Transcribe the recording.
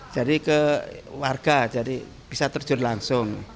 jadi ke warga jadi bisa terjun langsung